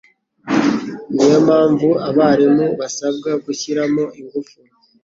Niyo mpamvu abarimu basabwa gushyiramo ingufu.